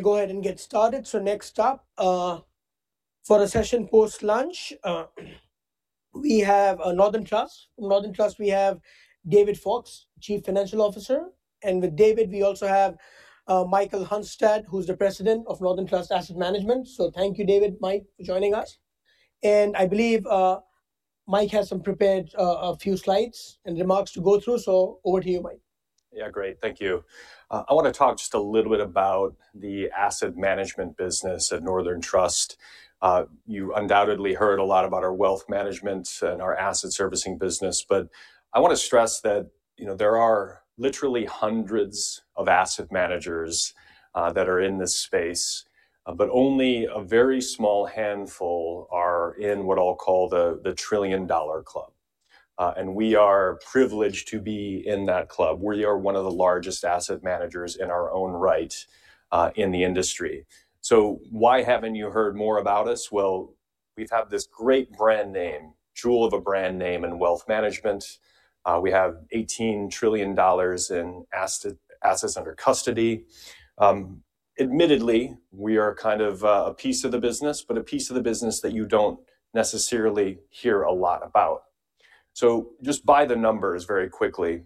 Go ahead and get started. So next up, for a session post-lunch, we have a Northern Trust. From Northern Trust, we have David Fox, Chief Financial Officer, and with David, we also have Michael Hunstad, who's the President of Northern Trust Asset Management. So thank you, David, Mike, for joining us. And I believe, Mike has some prepared, a few slides and remarks to go through, so over to you, Mike. Yeah, great. Thank you. I want to talk just a little bit about the asset management business at Northern Trust. You undoubtedly heard a lot about our wealth management and our asset servicing business, but I want to stress that, you know, there are literally hundreds of asset managers that are in this space, but only a very small handful are in what I'll call the trillion-dollar club. We are privileged to be in that club. We are one of the largest asset managers in our own right in the industry. So why haven't you heard more about us? Well, we've had this great brand name, jewel of a brand name in Wealth Management. We have $18 trillion in assets under custody. Admittedly, we are kind of a piece of the business, but a piece of the business that you don't necessarily hear a lot about. So just by the numbers very quickly.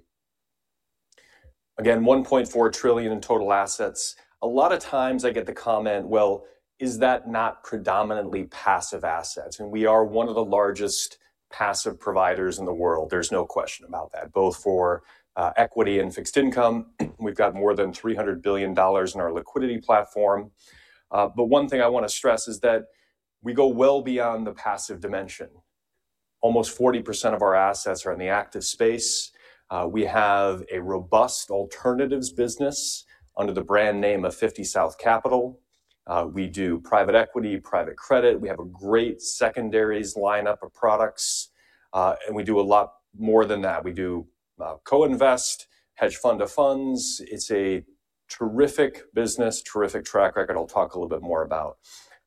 Again, $1.4 trillion in total assets. A lot of times I get the comment, "Well, is that not predominantly passive assets?" And we are one of the largest passive providers in the world. There's no question about that, both for equity and fixed income. We've got more than $300 billion in our liquidity platform. But one thing I want to stress is that we go well beyond the passive dimension. Almost 40% of our assets are in the active space. We have a robust alternatives business under the brand name of 50 South Capital. We do private equity, private credit. We have a great secondaries lineup of products. And we do a lot more than that. We do co-invest, hedge fund of funds. It's a terrific business, terrific track record. I'll talk a little bit more about.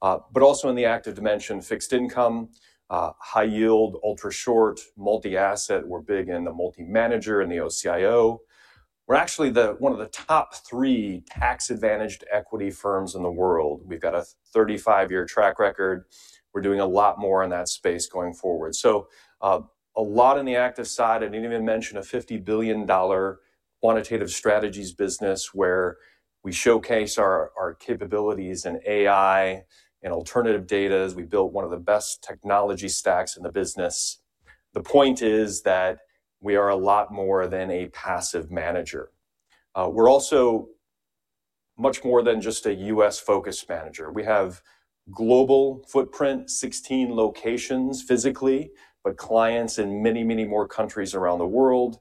but also in the active dimension, fixed income, high yield, ultra short, multi-asset. We're big in the multi-manager and the OCIO. We're actually one of the top three tax-advantaged equity firms in the world. We've got a 35-year track record. We're doing a lot more in that space going forward. So, a lot in the active side. I didn't even mention a $50 billion quantitative strategies business where we showcase our capabilities in AI and alternative data. We built one of the best technology stacks in the business. The point is that we are a lot more than a passive manager. We're also much more than just a U.S.-focused manager. We have global footprint, 16 locations physically, but clients in many, many more countries around the world,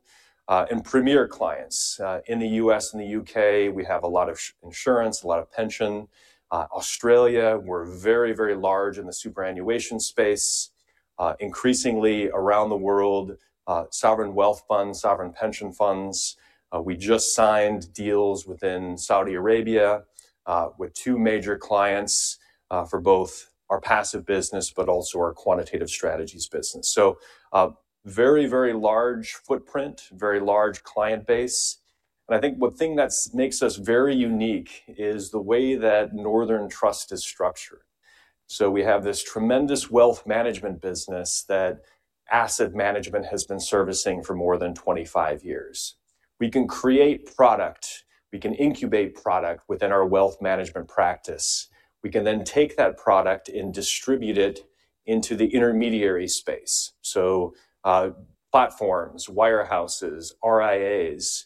and premier clients. In the U.S. and the U.K., we have a lot of insurance, a lot of pension. Australia, we're very, very large in the superannuation space, increasingly around the world, sovereign wealth funds, sovereign pension funds. We just signed deals within Saudi Arabia, with two major clients, for both our passive business but also our quantitative strategies business. So, very, very large footprint, very large client base. I think the thing that makes us very unique is the way that Northern Trust is structured. We have this tremendous wealth management business that asset management has been servicing for more than 25 years. We can create product, we can incubate product within our wealth management practice. We can then take that product and distribute it into the intermediary space. Platforms, wirehouses, RIAs,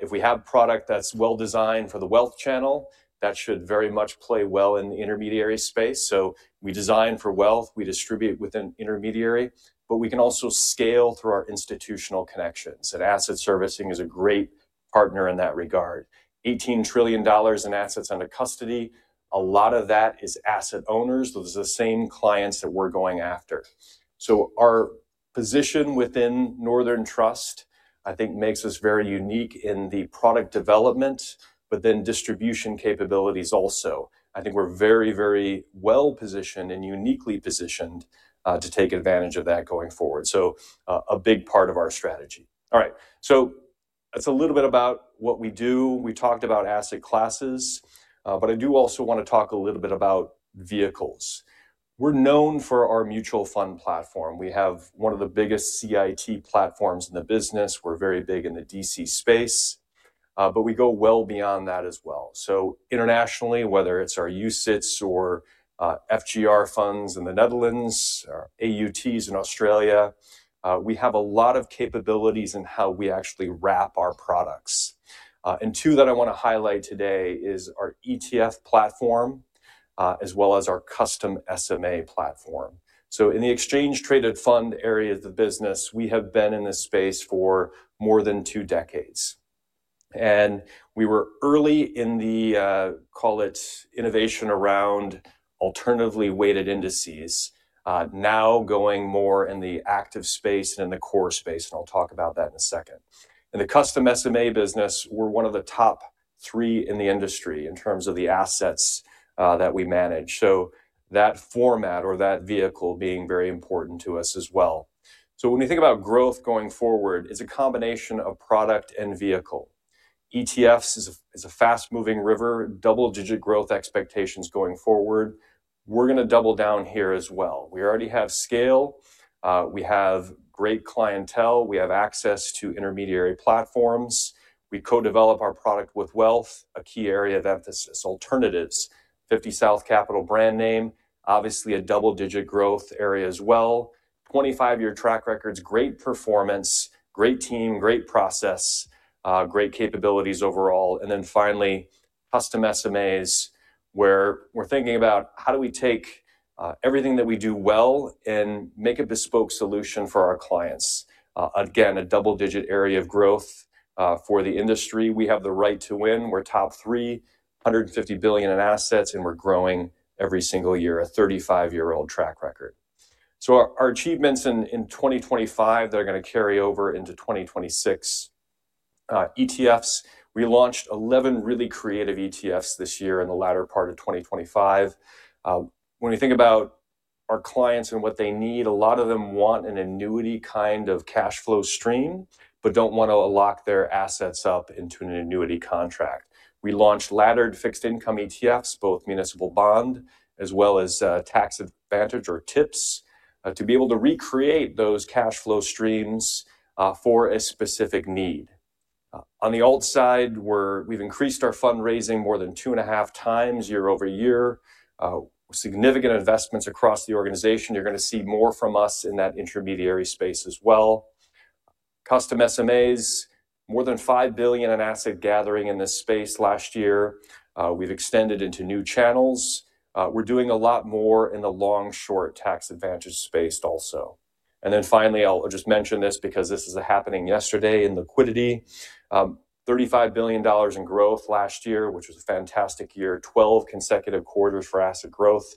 if we have product that's well designed for the wealth channel, that should very much play well in the intermediary space. So we design for wealth, we distribute with an intermediary, but we can also scale through our institutional connections. Asset servicing is a great partner in that regard. $18 trillion in assets under custody, a lot of that is asset owners. Those are the same clients that we're going after. Our position within Northern Trust, I think, makes us very unique in the product development, but then distribution capabilities also. I think we're very, very well positioned and uniquely positioned, to take advantage of that going forward. A big part of our strategy. All right. That's a little bit about what we do. We talked about asset classes, but I do also want to talk a little bit about vehicles. We're known for our mutual fund platform. We have one of the biggest CIT platforms in the business. We're very big in the DC space, but we go well beyond that as well. So internationally, whether it's our UCITS or FGR funds in the Netherlands, our AUTs in Australia, we have a lot of capabilities in how we actually wrap our products, and two that I want to highlight today is our ETF platform, as well as our custom SMA platform. So in the exchange-traded fund areas of business, we have been in this space for more than two decades. And we were early in the call it innovation around alternatively weighted indices, now going more in the active space and in the core space, and I'll talk about that in a second. In the custom SMA business, we're one of the top three in the industry in terms of the assets that we manage. So that format or that vehicle being very important to us as well. So when we think about growth going forward, it's a combination of product and vehicle. ETFs is a fast-moving river, double-digit growth expectations going forward. We're going to double down here as well. We already have scale. We have great clientele. We have access to intermediary platforms. We co-develop our product with wealth, a key area of emphasis, alternatives, 50 South Capital brand name, obviously a double-digit growth area as well, 25-year track records, great performance, great team, great process, great capabilities overall. And then finally, custom SMAs where we're thinking about how do we take everything that we do well and make a bespoke solution for our clients. Again, a double-digit area of growth for the industry. We have the right to win. We're top three, $150 billion in assets, and we're growing every single year, a 35-year-old track record. So our achievements in 2025 that are going to carry over into 2026, ETFs, we launched 11 really creative ETFs this year in the latter part of 2025. When we think about our clients and what they need, a lot of them want an annuity kind of cash flow stream but don't want to lock their assets up into an annuity contract. We launched laddered fixed income ETFs, both municipal bond as well as tax advantage or TIPS, to be able to recreate those cash flow streams, for a specific need. On the alt side, we've increased our fundraising more than 2.5 times year-over-year. Significant investments across the organization. You're going to see more from us in that intermediary space as well. Custom SMAs, more than $5 billion in asset gathering in this space last year. We've extended into new channels. We're doing a lot more in the long-short tax advantage space also. And then finally, I'll just mention this because this is happening yesterday in liquidity. $35 billion in growth last year, which was a fantastic year, 12 consecutive quarters for asset growth.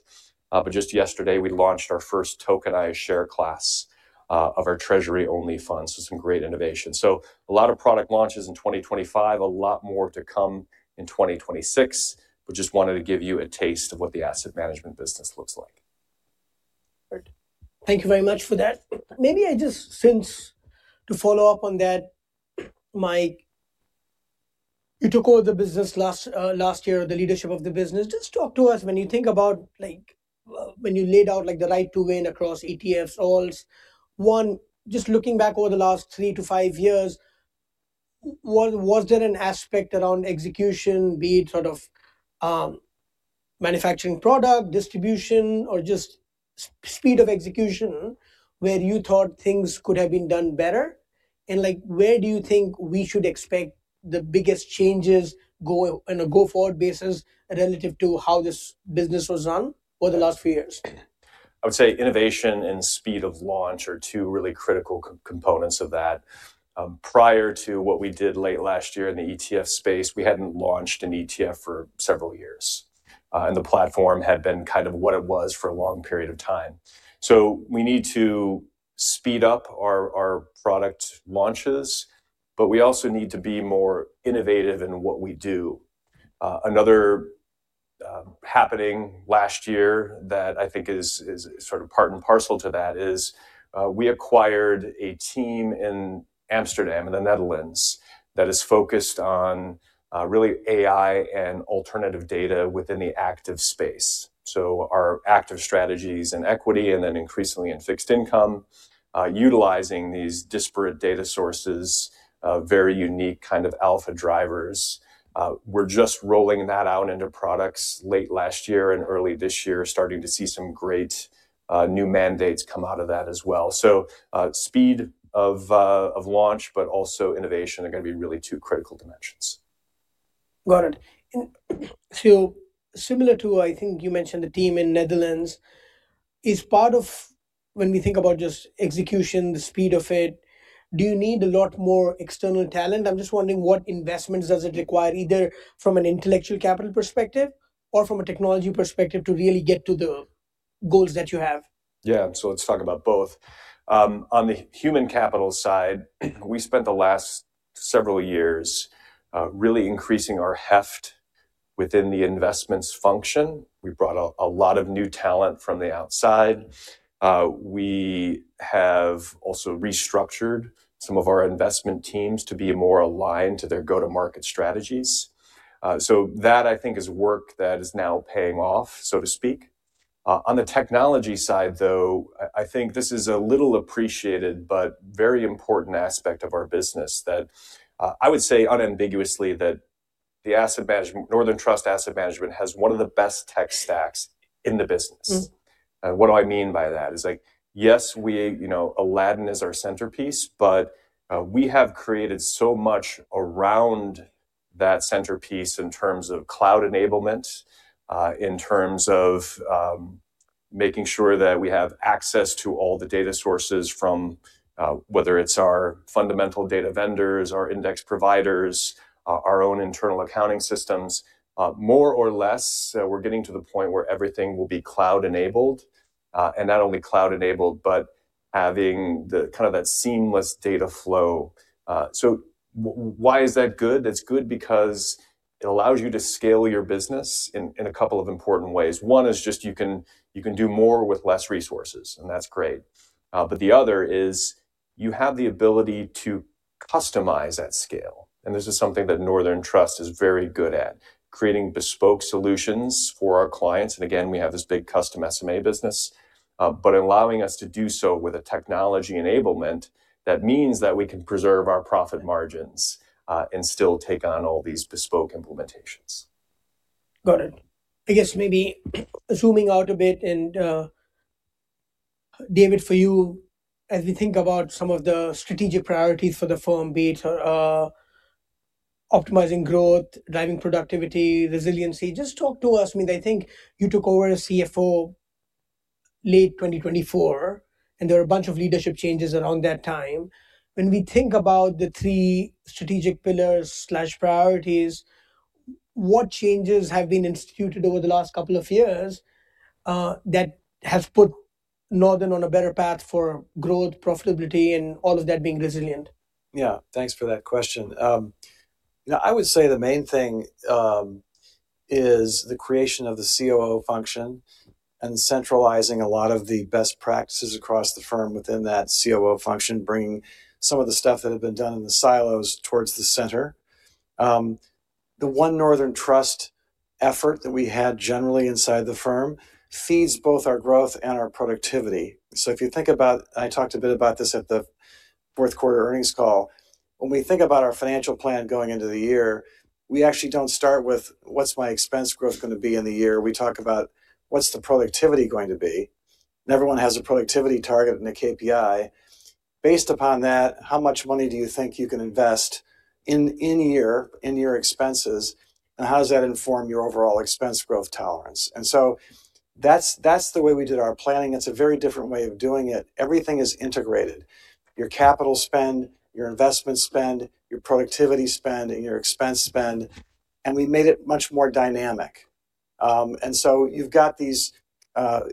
But just yesterday, we launched our first tokenized share class, of our treasury-only fund. So some great innovation. So a lot of product launches in 2025, a lot more to come in 2026, but just wanted to give you a taste of what the asset management business looks like. Thank you very much for that. Maybe just to follow up on that, Mike, you took over the business last year, the leadership of the business. Just talk to us when you think about, like, when you laid out, like, the right to win across ETFs, alts. One, just looking back over the last 3-5 years, was there an aspect around execution, be it sort of manufacturing product, distribution, or just speed of execution where you thought things could have been done better? And, like, where do you think we should expect the biggest changes go in a go-forward basis relative to how this business was run over the last few years? I would say innovation and speed of launch are two really critical components of that. Prior to what we did late last year in the ETF space, we hadn't launched an ETF for several years. The platform had been kind of what it was for a long period of time. We need to speed up our product launches, but we also need to be more innovative in what we do. Another happening last year that I think is sort of part and parcel to that is, we acquired a team in Amsterdam and the Netherlands that is focused on really AI and alternative data within the active space. Our active strategies in equity and then increasingly in fixed income, utilizing these disparate data sources, very unique kind of alpha drivers. We're just rolling that out into products late last year and early this year, starting to see some great, new mandates come out of that as well. So, speed of launch, but also innovation are going to be really two critical dimensions. Got it. And so similar to, I think you mentioned the team in Netherlands, is part of when we think about just execution, the speed of it, do you need a lot more external talent? I'm just wondering what investments does it require, either from an intellectual capital perspective or from a technology perspective, to really get to the goals that you have? Yeah, so let's talk about both. On the human capital side, we spent the last several years, really increasing our heft within the investments function. We brought a lot of new talent from the outside. We have also restructured some of our investment teams to be more aligned to their go-to-market strategies. So that, I think, is work that is now paying off, so to speak. On the technology side, though, I think this is a little appreciated but very important aspect of our business that, I would say unambiguously that the asset management, Northern Trust Asset Management, has one of the best tech stacks in the business. And what do I mean by that is, like, yes, we, you know, Aladdin is our centerpiece, but, we have created so much around that centerpiece in terms of cloud enablement, in terms of, making sure that we have access to all the data sources from, whether it's our fundamental data vendors, our index providers, our own internal accounting systems, more or less, we're getting to the point where everything will be cloud-enabled. And not only cloud-enabled, but having the kind of that seamless data flow. So why is that good? That's good because it allows you to scale your business in a couple of important ways. One is just you can you can do more with less resources, and that's great. But the other is you have the ability to customize at scale. This is something that Northern Trust is very good at, creating bespoke solutions for our clients. And again, we have this big custom SMA business, but allowing us to do so with a technology enablement that means that we can preserve our profit margins, and still take on all these bespoke implementations. Got it. I guess maybe zooming out a bit and, David, for you, as we think about some of the strategic priorities for the firm, be it, optimizing growth, driving productivity, resiliency, just talk to us. I mean, I think you took over as CFO late 2024, and there were a bunch of leadership changes around that time. When we think about the three strategic pillars/priorities, what changes have been instituted over the last couple of years, that have put Northern on a better path for growth, profitability, and all of that being resilient? Yeah, thanks for that question. You know, I would say the main thing is the creation of the COO function and centralizing a lot of the best practices across the firm within that COO function, bringing some of the stuff that had been done in the silos towards the center. The one Northern Trust effort that we had generally inside the firm feeds both our growth and our productivity. So if you think about, and I talked a bit about this at the fourth quarter earnings call, when we think about our financial plan going into the year, we actually don't start with what's my expense growth going to be in the year. We talk about what's the productivity going to be. And everyone has a productivity target and a KPI. Based upon that, how much money do you think you can invest in in-year expenses, and how does that inform your overall expense growth tolerance? So that's the way we did our planning. It's a very different way of doing it. Everything is integrated: your capital spend, your investment spend, your productivity spend, and your expense spend. We made it much more dynamic. So you've got these,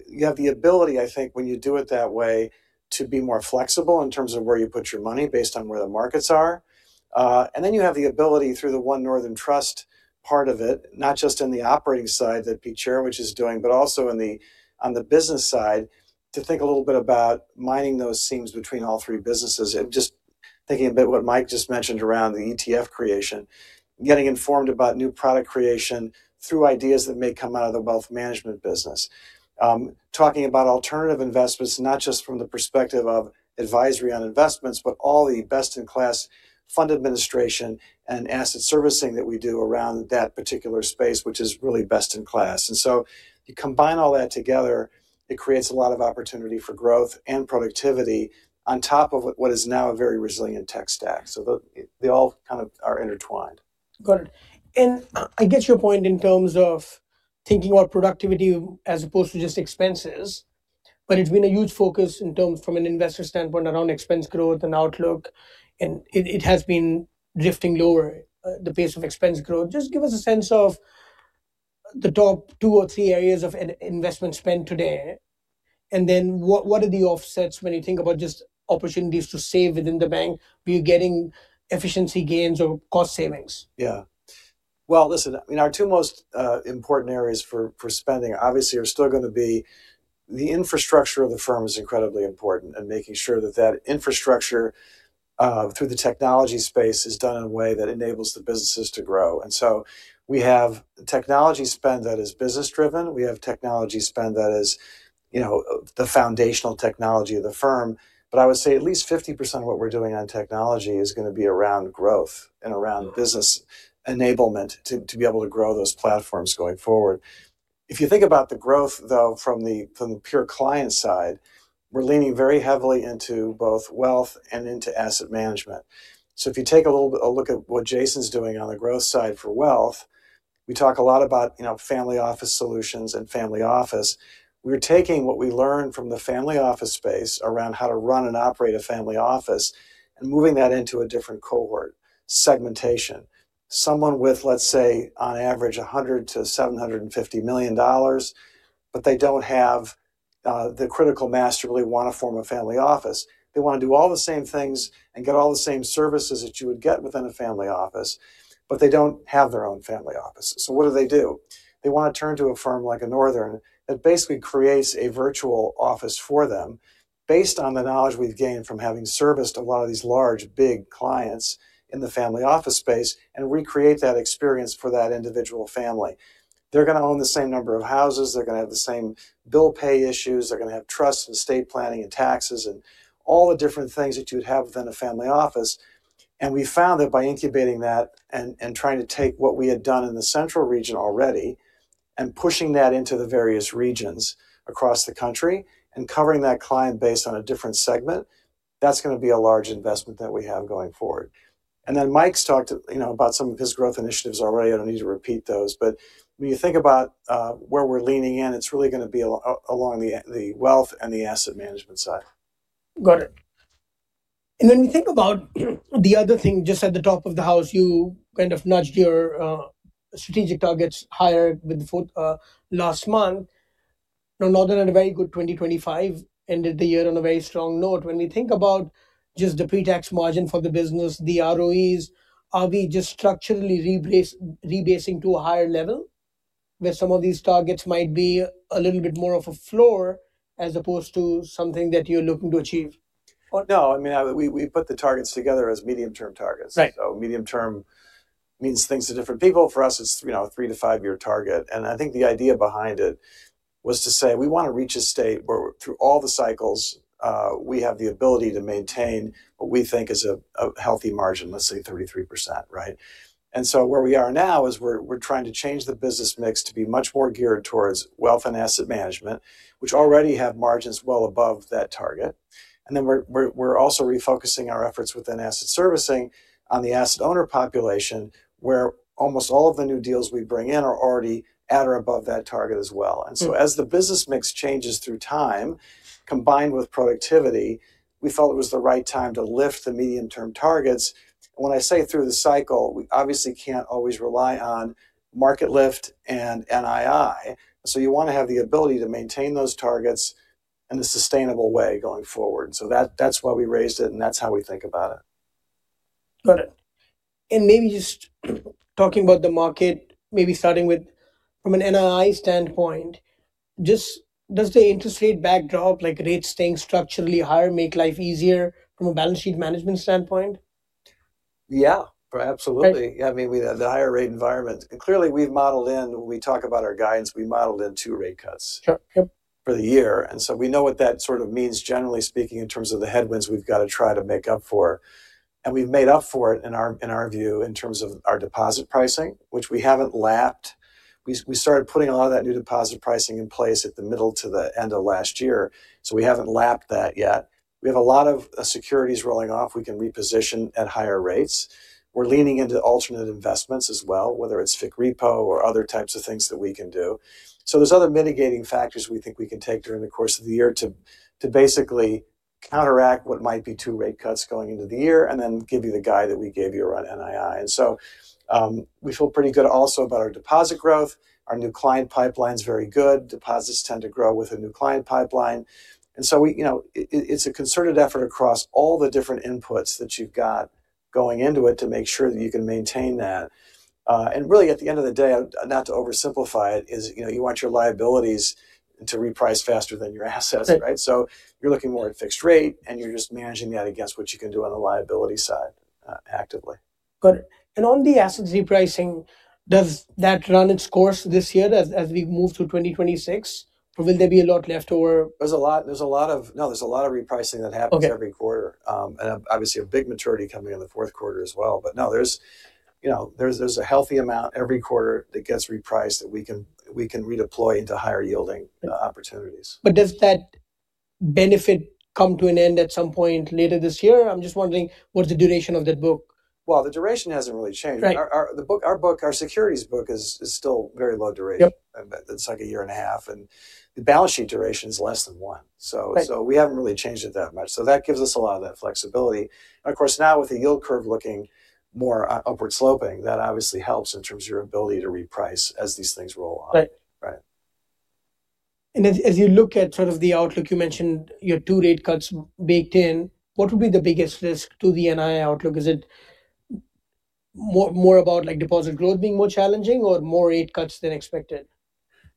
you have the ability, I think, when you do it that way, to be more flexible in terms of where you put your money based on where the markets are. Then you have the ability, through the One Northern Trust part of it, not just in the operating side that Peter Cherecwich is doing, but also on the business side, to think a little bit about mining those seams between all three businesses. And just thinking a bit what Mike just mentioned around the ETF creation, getting informed about new product creation through ideas that may come out of the wealth management business, talking about alternative investments, not just from the perspective of advisory on investments, but all the best-in-class fund administration and asset servicing that we do around that particular space, which is really best-in-class. And so you combine all that together. It creates a lot of opportunity for growth and productivity on top of what is now a very resilient tech stack. So they all kind of are intertwined. Got it. And I get your point in terms of thinking about productivity as opposed to just expenses, but it's been a huge focus in terms from an investor standpoint around expense growth and outlook, and it has been drifting lower, the pace of expense growth. Just give us a sense of the top two or three areas of investment spend today, and then what are the offsets when you think about just opportunities to save within the bank? Are you getting efficiency gains or cost savings? Yeah. Well, listen, I mean, our two most important areas for spending, obviously, are still going to be the infrastructure of the firm is incredibly important and making sure that that infrastructure, through the technology space, is done in a way that enables the businesses to grow. And so we have technology spend that is business-driven. We have technology spend that is, you know, the foundational technology of the firm. But I would say at least 50% of what we're doing on technology is going to be around growth and around business enablement to be able to grow those platforms going forward. If you think about the growth, though, from the pure client side, we're leaning very heavily into both wealth and into asset management. So if you take a little bit of a look at what Jason's doing on the growth side for wealth, we talk a lot about, you know, Family Office Solutions and family office. We're taking what we learned from the family office space around how to run and operate a family office and moving that into a different cohort, segmentation. Someone with, let's say, on average, $100 million-$750 million, but they don't have the critical mass really want to form a family office. They want to do all the same things and get all the same services that you would get within a family office, but they don't have their own family office. So what do they do? They want to turn to a firm like a Northern that basically creates a virtual office for them based on the knowledge we've gained from having serviced a lot of these large, big clients in the family office space and recreate that experience for that individual family. They're going to own the same number of houses. They're going to have the same bill pay issues. They're going to have trust and estate planning and taxes and all the different things that you would have within a family office. We found that by incubating that and trying to take what we had done in the central region already and pushing that into the various regions across the country and covering that client base on a different segment, that's going to be a large investment that we have going forward. And then Mike's talked to, you know, about some of his growth initiatives already. I don't need to repeat those. But when you think about where we're leaning in, it's really going to be along the wealth and the asset management side. Got it. And then we think about the other thing just at the top of the house, you kind of nudged your strategic targets higher with the last month. Now, Northern had a very good 2025, ended the year on a very strong note. When we think about just the pre-tax margin for the business, the ROEs, are we just structurally rebasing to a higher level where some of these targets might be a little bit more of a floor as opposed to something that you're looking to achieve? No, I mean, we put the targets together as medium-term targets. So medium-term means things to different people. For us, it's, you know, a 3-5-year target. And I think the idea behind it was to say we want to reach a state where through all the cycles, we have the ability to maintain what we think is a healthy margin, let's say 33%, right? And so where we are now is we're trying to change the business mix to be much more geared towards wealth and asset management, which already have margins well above that target. And then we're also refocusing our efforts within asset servicing on the asset owner population where almost all of the new deals we bring in are already at or above that target as well. And so as the business mix changes through time, combined with productivity, we felt it was the right time to lift the medium-term targets. And when I say through the cycle, we obviously can't always rely on market lift and NII. So you want to have the ability to maintain those targets in a sustainable way going forward. And so that's why we raised it and that's how we think about it. Got it. Maybe just talking about the market, maybe starting with from an NII standpoint, just does the interest rate backdrop, like rates staying structurally higher, make life easier from a balance sheet management standpoint? Yeah, absolutely. Yeah, I mean, the higher rate environment, clearly we've modeled in, when we talk about our guidance, we modeled in two rate cuts for the year. And so we know what that sort of means, generally speaking, in terms of the headwinds we've got to try to make up for. And we've made up for it in our view, in terms of our deposit pricing, which we haven't lapped. We started putting a lot of that new deposit pricing in place at the middle to the end of last year. So we haven't lapped that yet. We have a lot of securities rolling off. We can reposition at higher rates. We're leaning into alternative investments as well, whether it's FICC repo or other types of things that we can do. So there's other mitigating factors we think we can take during the course of the year to basically counteract what might be 2 rate cuts going into the year and then give you the guide that we gave you around NII. And so we feel pretty good also about our deposit growth. Our new client pipeline's very good. Deposits tend to grow with a new client pipeline. And so we, you know, it's a concerted effort across all the different inputs that you've got going into it to make sure that you can maintain that. And really, at the end of the day, not to oversimplify it, is, you know, you want your liabilities to reprice faster than your assets, right? So you're looking more at fixed rate and you're just managing that against what you can do on the liability side actively. Got it. On the assets repricing, does that run its course this year as we move to 2026? Or will there be a lot left over? There's a lot of, no, there's a lot of repricing that happens every quarter. And obviously, a big maturity coming in the fourth quarter as well. But no, there's, you know, there's a healthy amount every quarter that gets repriced that we can redeploy into higher yielding opportunities. But does that benefit come to an end at some point later this year? I'm just wondering, what's the duration of that book? Well, the duration hasn't really changed. Our book, our book, our securities book is still very low duration. It's like a year and a half. And the balance sheet duration is less than one. So we haven't really changed it that much. So that gives us a lot of that flexibility. And of course, now with the yield curve looking more upward sloping, that obviously helps in terms of your ability to reprice as these things roll on. Right. As you look at sort of the outlook, you mentioned your 2 rate cuts baked in. What would be the biggest risk to the NII outlook? Is it more about like deposit growth being more challenging or more rate cuts than expected?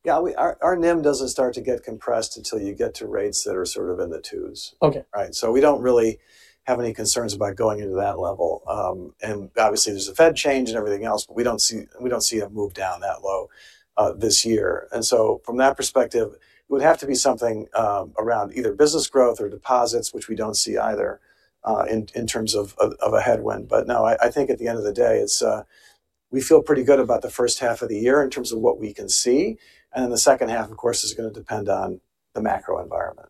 Yeah, our NIM doesn't start to get compressed until you get to rates that are sort of in the twos. Right? So we don't really have any concerns about going into that level. And obviously, there's a Fed change and everything else, but we don't see a move down that low this year. And so from that perspective, it would have to be something around either business growth or deposits, which we don't see either in terms of a headwind. But no, I think at the end of the day, we feel pretty good about the first half of the year in terms of what we can see. And then the second half, of course, is going to depend on the macro environment.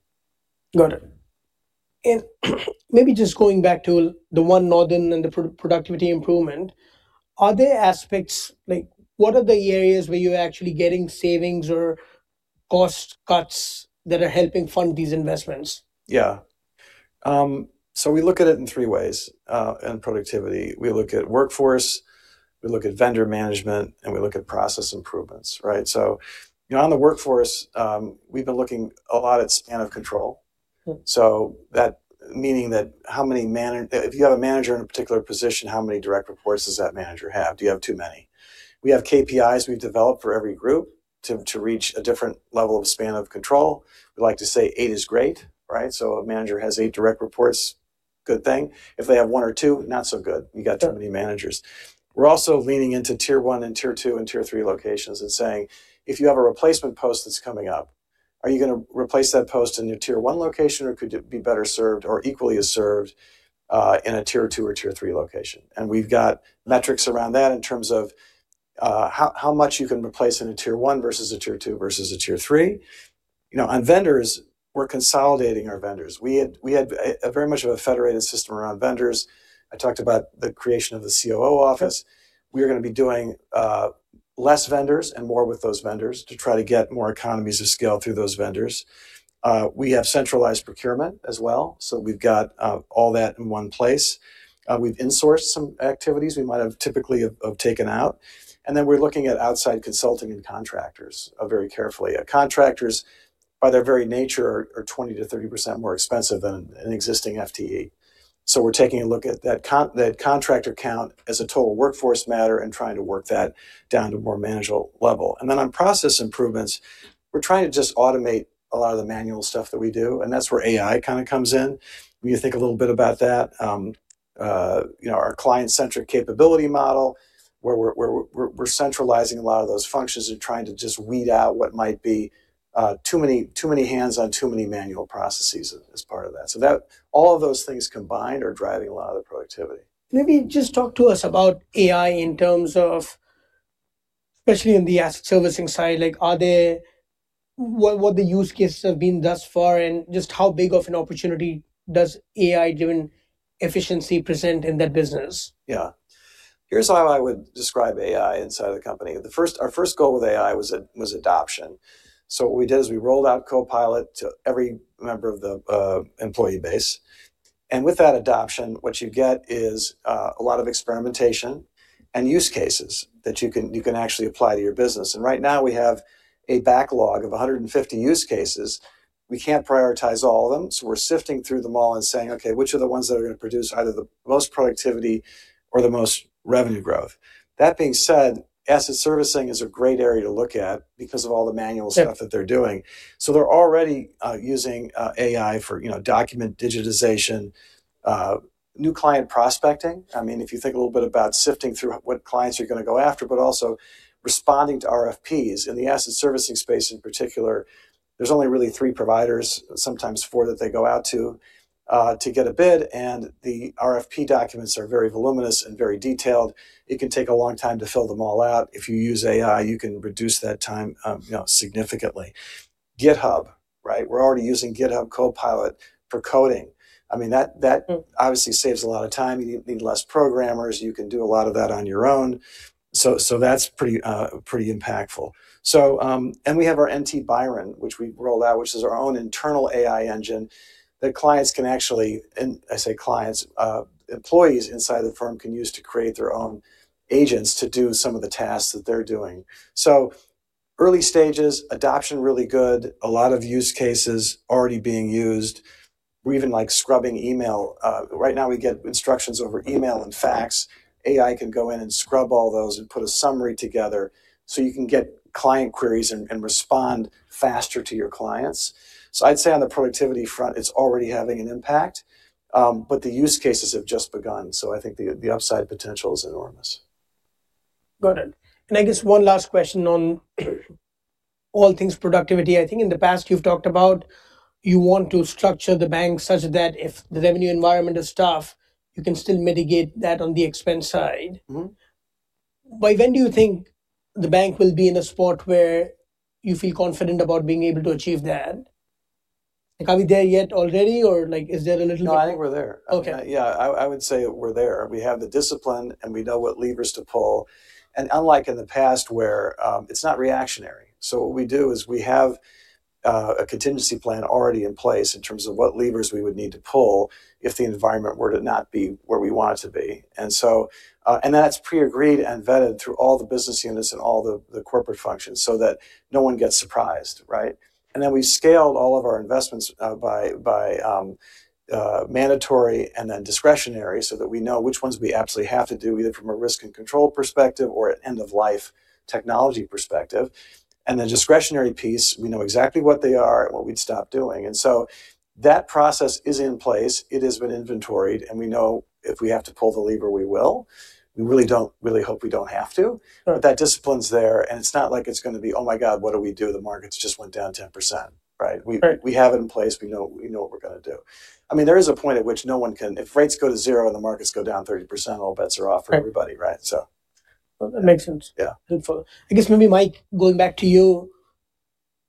Got it. Maybe just going back to the One Northern and the productivity improvement, are there aspects, like what are the areas where you're actually getting savings or cost cuts that are helping fund these investments? Yeah. So we look at it in three ways in productivity. We look at workforce, we look at vendor management, and we look at process improvements, right? So, you know, on the workforce, we've been looking a lot at span of control. So that meaning that how many managers, if you have a manager in a particular position, how many direct reports does that manager have? Do you have too many? We have KPIs we've developed for every group to reach a different level of span of control. We like to say eight is great, right? So a manager has eight direct reports, good thing. If they have one or two, not so good. You got too many managers. We're also leaning into tier one and tier two and tier three locations and saying, if you have a replacement post that's coming up, are you going to replace that post in your tier one location or could it be better served or equally as served in a tier two or tier three location? We've got metrics around that in terms of how much you can replace in a tier one versus a tier two versus a tier three. You know, on vendors, we're consolidating our vendors. We had very much of a federated system around vendors. I talked about the creation of the COO office. We are going to be doing less vendors and more with those vendors to try to get more economies of scale through those vendors. We have centralized procurement as well. So we've got all that in one place. We've insourced some activities we might have typically taken out. And then we're looking at outside consulting and contractors very carefully. Contractors, by their very nature, are 20%-30% more expensive than an existing FTE. So we're taking a look at that contractor count as a total workforce matter and trying to work that down to a more manageable level. And then on process improvements, we're trying to just automate a lot of the manual stuff that we do. And that's where AI kind of comes in. When you think a little bit about that, you know, our client-centric capability model where we're centralizing a lot of those functions and trying to just weed out what might be too many hands on too many manual processes as part of that. So all of those things combined are driving a lot of the productivity. Maybe just talk to us about AI in terms of, especially in the asset servicing side, like are there, what the use cases have been thus far and just how big of an opportunity does AI-driven efficiency present in that business? Yeah. Here's how I would describe AI inside of the company. Our first goal with AI was adoption. What we did is we rolled out Copilot to every member of the employee base. With that adoption, what you get is a lot of experimentation and use cases that you can actually apply to your business. Right now we have a backlog of 150 use cases. We can't prioritize all of them. We're sifting through them all and saying, okay, which are the ones that are going to produce either the most productivity or the most revenue growth? That being said, asset servicing is a great area to look at because of all the manual stuff that they're doing. They're already using AI for document digitization, new client prospecting. I mean, if you think a little bit about sifting through what clients you're going to go after, but also responding to RFPs in the asset servicing space in particular, there's only really three providers, sometimes four that they go out to get a bid. The RFP documents are very voluminous and very detailed. It can take a long time to fill them all out. If you use AI, you can reduce that time significantly. GitHub, right? We're already using GitHub Copilot for coding. I mean, that obviously saves a lot of time. You need less programmers. You can do a lot of that on your own. That's pretty impactful. And we have our NT Byron, which we've rolled out, which is our own internal AI engine that clients can actually, and I say clients, employees inside the firm can use to create their own agents to do some of the tasks that they're doing. So early stages, adoption really good, a lot of use cases already being used. We're even like scrubbing email. Right now we get instructions over email and fax. AI can go in and scrub all those and put a summary together so you can get client queries and respond faster to your clients. So I'd say on the productivity front, it's already having an impact. But the use cases have just begun. So I think the upside potential is enormous. Got it. I guess one last question on all things productivity. I think in the past you've talked about you want to structure the bank such that if the revenue environment is tough, you can still mitigate that on the expense side. By when do you think the bank will be in a spot where you feel confident about being able to achieve that? Like are we there yet already or like is there a little bit? No, I think we're there. Yeah, I would say we're there. We have the discipline and we know what levers to pull. And unlike in the past, where it's not reactionary. So what we do is we have a contingency plan already in place in terms of what levers we would need to pull if the environment were to not be where we want it to be. And that's pre-agreed and vetted through all the business units and all the corporate functions so that no one gets surprised, right? And then we scaled all of our investments by mandatory and then discretionary so that we know which ones we absolutely have to do either from a risk and control perspective or an end-of-life technology perspective. And the discretionary piece, we know exactly what they are and what we'd stop doing. And so that process is in place. It has been inventoried. We know if we have to pull the lever, we will. We really don't really hope we don't have to. That discipline's there. It's not like it's going to be, oh my God, what do we do? The markets just went down 10%, right? We have it in place. We know what we're going to do. I mean, there is a point at which no one can, if rates go to zero and the markets go down 30%, all bets are off for everybody, right? That makes sense. Helpful. I guess maybe Mike, going back to you,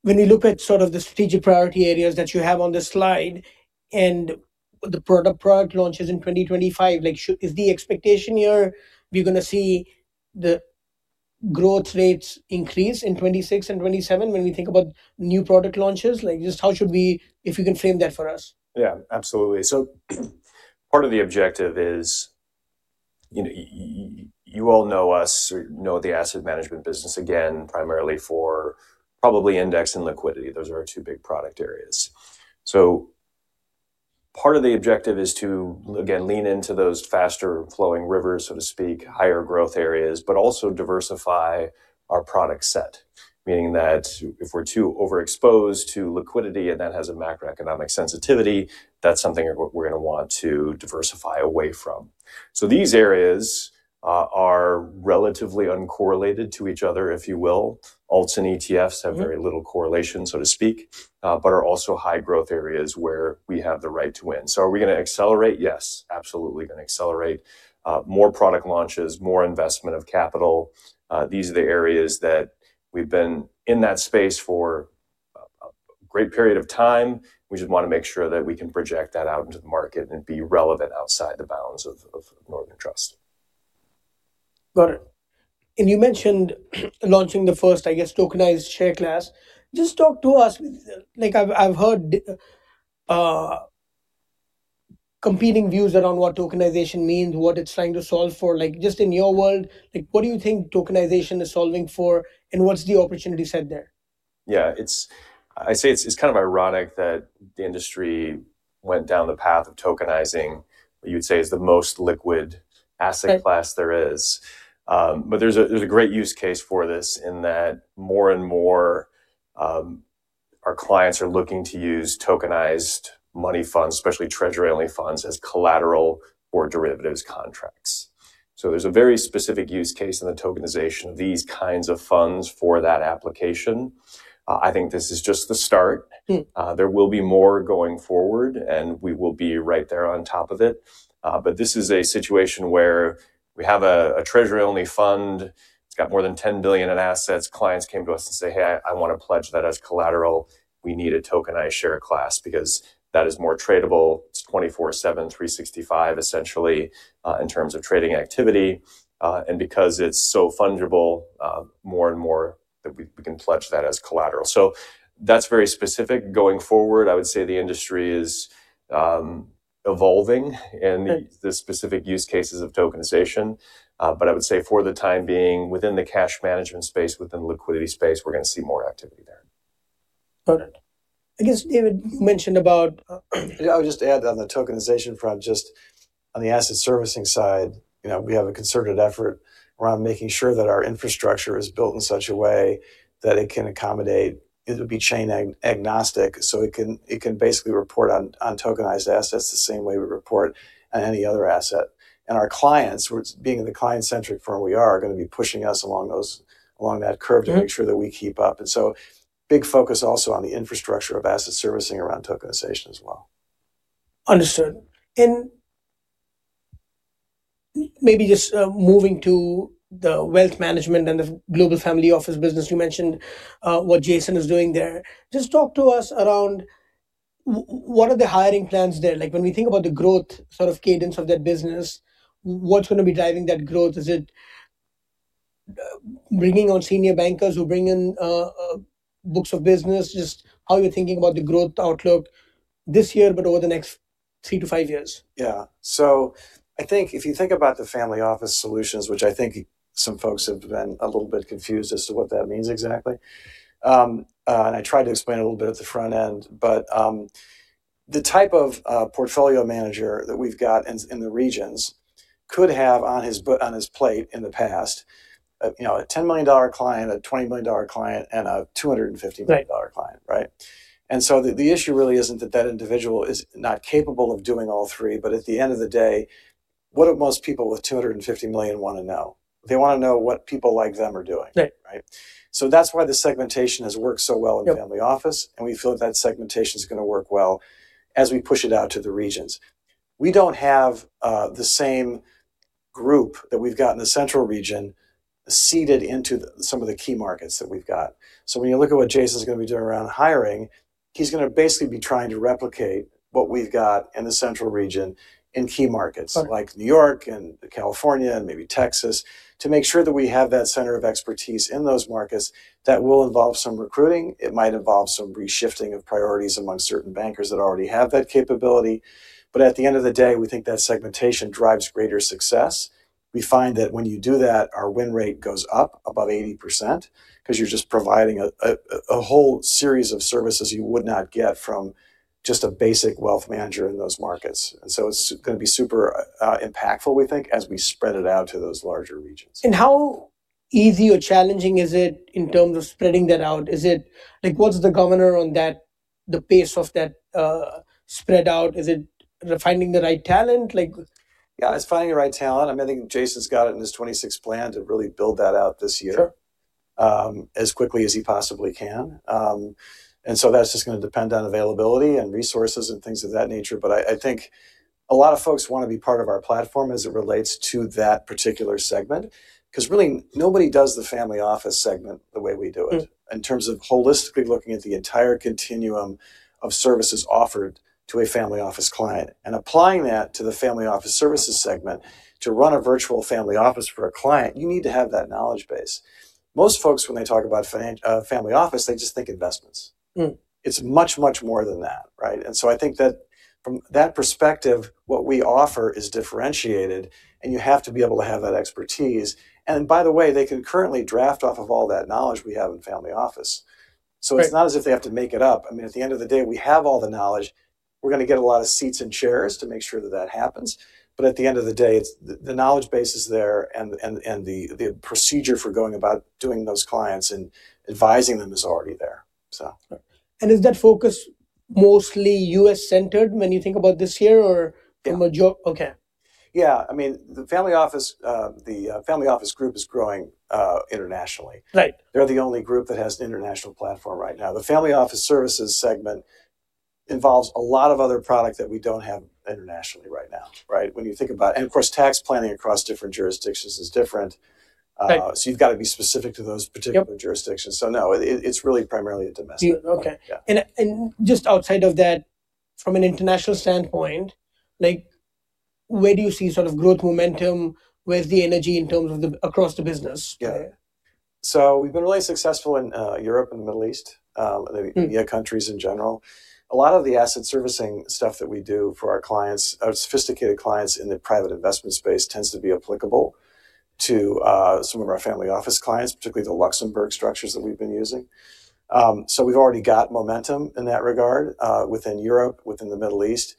when you look at sort of the strategic priority areas that you have on this slide and the product launches in 2025, like is the expectation here we're going to see the growth rates increase in 2026 and 2027 when we think about new product launches? Like just how should we, if you can frame that for us? Yeah, absolutely. So part of the objective is, you know, you all know us or know the asset management business again, primarily for probably index and liquidity. Those are our two big product areas. So part of the objective is to, again, lean into those faster flowing rivers, so to speak, higher growth areas, but also diversify our product set. Meaning that if we're too overexposed to liquidity and that has a macroeconomic sensitivity, that's something we're going to want to diversify away from. So these areas are relatively uncorrelated to each other, if you will. Alts and ETFs have very little correlation, so to speak, but are also high growth areas where we have the right to win. So are we going to accelerate? Yes, absolutely going to accelerate. More product launches, more investment of capital. These are the areas that we've been in that space for a great period of time. We just want to make sure that we can project that out into the market and be relevant outside the bounds of Northern Trust. Got it. And you mentioned launching the first, I guess, tokenized share class. Just talk to us, like I've heard competing views around what tokenization means, what it's trying to solve for. Like just in your world, like what do you think tokenization is solving for and what's the opportunity set there? Yeah, I'd say it's kind of ironic that the industry went down the path of tokenizing, what you would say is the most liquid asset class there is. But there's a great use case for this in that more and more our clients are looking to use tokenized money funds, especially treasury-only funds, as collateral or derivatives contracts. So there's a very specific use case in the tokenization of these kinds of funds for that application. I think this is just the start. There will be more going forward and we will be right there on top of it. But this is a situation where we have a treasury-only fund. It's got more than $10 billion in assets. Clients came to us and say, "Hey, I want to pledge that as collateral. We need a tokenized share class because that is more tradable. It's 24/7, 365 essentially in terms of trading activity." And because it's so fungible, more and more that we can pledge that as collateral. So that's very specific going forward. I would say the industry is evolving in the specific use cases of tokenization. But I would say for the time being, within the cash management space, within the liquidity space, we're going to see more activity there. Got it. I guess, David, you mentioned about- I would just add on the tokenization front, just on the asset servicing side, you know, we have a concerted effort around making sure that our infrastructure is built in such a way that it can accommodate, it would be chain agnostic. So it can basically report on tokenized assets the same way we report on any other asset. And our clients, being the client-centric firm we are, are going to be pushing us along that curve to make sure that we keep up. And so big focus also on the infrastructure of asset servicing around tokenization as well. Understood. And maybe just moving to the wealth management and the global family office business, you mentioned what Jason is doing there. Just talk to us around what are the hiring plans there? Like when we think about the growth sort of cadence of that business, what's going to be driving that growth? Is it bringing on senior bankers who bring in books of business? Just how you're thinking about the growth outlook this year, but over the next 3-5 years? Yeah. So I think if you think about the Family Office Solutions, which I think some folks have been a little bit confused as to what that means exactly. I tried to explain a little bit at the front end, but the type of portfolio manager that we've got in the regions could have on his plate in the past, you know, a $10 million client, a $20 million client, and a $250 million client, right? So the issue really isn't that that individual is not capable of doing all three, but at the end of the day, what do most people with $250 million want to know? They want to know what people like them are doing, right? So that's why the segmentation has worked so well in family office. We feel that that segmentation is going to work well as we push it out to the regions. We don't have the same group that we've got in the central region seated into some of the key markets that we've got. When you look at what Jason's going to be doing around hiring, he's going to basically be trying to replicate what we've got in the central region in key markets like New York and California and maybe Texas to make sure that we have that center of expertise in those markets that will involve some recruiting. It might involve some reshifting of priorities among certain bankers that already have that capability. At the end of the day, we think that segmentation drives greater success. We find that when you do that, our win rate goes up above 80% because you're just providing a whole series of services you would not get from just a basic wealth manager in those markets. So it's going to be super impactful, we think, as we spread it out to those larger regions. How easy or challenging is it in terms of spreading that out? Is it like, what's the governor on that, the pace of that spread out? Is it finding the right talent? Yeah, it's finding the right talent. I mean, I think Jason's got it in his 2026 plan to really build that out this year as quickly as he possibly can. And so that's just going to depend on availability and resources and things of that nature. But I think a lot of folks want to be part of our platform as it relates to that particular segment because really nobody does the family office segment the way we do it in terms of holistically looking at the entire continuum of services offered to a family office client. And applying that to the family office services segment to run a virtual family office for a client, you need to have that knowledge base. Most folks, when they talk about family office, they just think investments. It's much, much more than that, right? And so I think that from that perspective, what we offer is differentiated and you have to be able to have that expertise. And by the way, they can currently draft off of all that knowledge we have in family office. So it's not as if they have to make it up. I mean, at the end of the day, we have all the knowledge. We're going to get a lot of seats and chairs to make sure that that happens. But at the end of the day, the knowledge base is there and the procedure for going about doing those clients and advising them is already there. Is that focus mostly U.S.-centered when you think about this year or in major? Yeah. Okay. Yeah. I mean, the family office, the family office group is growing internationally. They're the only group that has an international platform right now. The family office services segment involves a lot of other product that we don't have internationally right now, right? When you think about, and of course, tax planning across different jurisdictions is different. So you've got to be specific to those particular jurisdictions. So no, it's really primarily domestic. Okay. Just outside of that, from an international standpoint, like where do you see sort of growth momentum? Where's the energy in terms of across the business? Yeah. So we've been really successful in Europe and the Middle East, the EMEA countries in general. A lot of the asset servicing stuff that we do for our clients, our sophisticated clients in the private investment space tends to be applicable to some of our family office clients, particularly the Luxembourg structures that we've been using. So we've already got momentum in that regard within Europe, within the Middle East.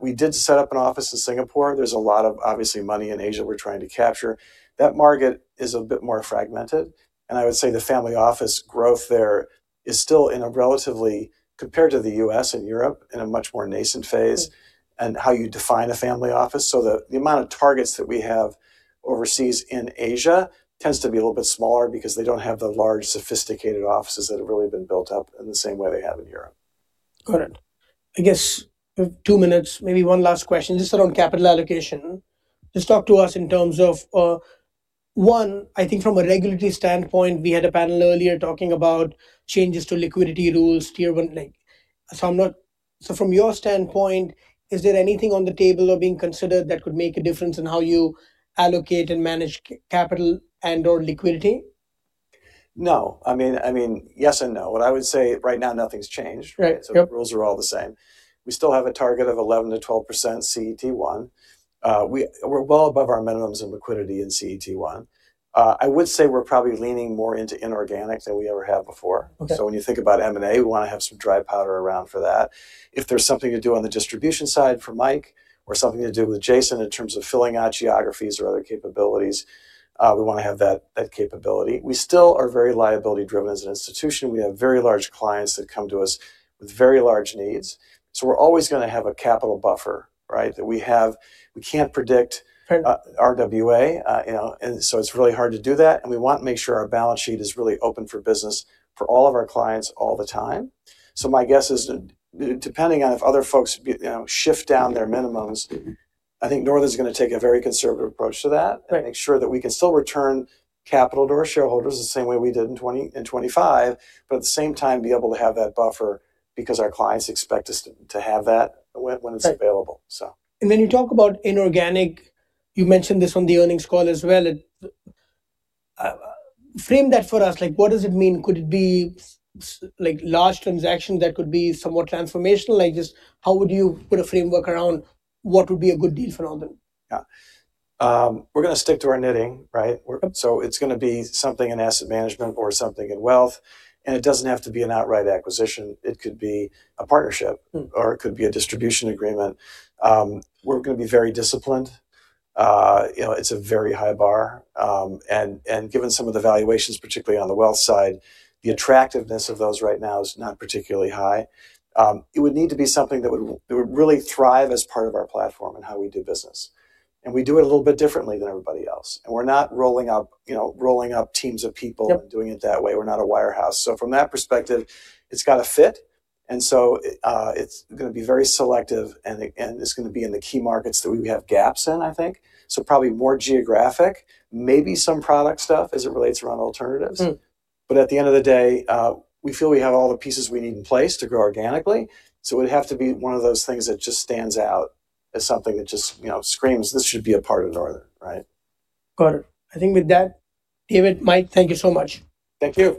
We did set up an office in Singapore. There's a lot of, obviously, money in Asia we're trying to capture. That market is a bit more fragmented. I would say the family office growth there is still in a relatively, compared to the U.S. and Europe, in a much more nascent phase and how you define a family office. So the amount of targets that we have overseas in Asia tends to be a little bit smaller because they don't have the large sophisticated offices that have really been built up in the same way they have in Europe. Got it. I guess we have two minutes, maybe one last question just around capital allocation. Just talk to us in terms of, one, I think from a regulatory standpoint, we had a panel earlier talking about changes to liquidity rules, Tier 1. So I'm not, so from your standpoint, is there anything on the table or being considered that could make a difference in how you allocate and manage capital and/or liquidity? No. I mean, yes and no. What I would say right now, nothing's changed. So the rules are all the same. We still have a target of 11%-12% CET1. We're well above our minimums in liquidity in CET1. I would say we're probably leaning more into inorganic than we ever have before. So when you think about M&A, we want to have some dry powder around for that. If there's something to do on the distribution side for Mike or something to do with Jason in terms of filling out geographies or other capabilities, we want to have that capability. We still are very liability-driven as an institution. We have very large clients that come to us with very large needs. So we're always going to have a capital buffer, right? That we have, we can't predict RWA, you know, and so it's really hard to do that. We want to make sure our balance sheet is really open for business for all of our clients all the time. My guess is depending on if other folks shift down their minimums, I think Northern is going to take a very conservative approach to that and make sure that we can still return capital to our shareholders the same way we did in 2020 and 2025, but at the same time be able to have that buffer because our clients expect us to have that when it's available. And then you talk about inorganic, you mentioned this on the earnings call as well. Frame that for us. Like what does it mean? Could it be like large transactions that could be somewhat transformational? Like just how would you put a framework around what would be a good deal for Northern? Yeah. We're going to stick to our knitting, right? So it's going to be something in asset management or something in wealth. And it doesn't have to be an outright acquisition. It could be a partnership or it could be a distribution agreement. We're going to be very disciplined. You know, it's a very high bar. And given some of the valuations, particularly on the wealth side, the attractiveness of those right now is not particularly high. It would need to be something that would really thrive as part of our platform and how we do business. And we do it a little bit differently than everybody else. And we're not rolling up, you know, rolling up teams of people and doing it that way. We're not a wirehouse. So from that perspective, it's got to fit. And so it's going to be very selective and it's going to be in the key markets that we have gaps in, I think. So probably more geographic, maybe some product stuff as it relates around alternatives. But at the end of the day, we feel we have all the pieces we need in place to grow organically. So it would have to be one of those things that just stands out as something that just, you know, screams, this should be a part of Northern, right? Got it. I think with that, David, Mike, thank you so much. Thank you.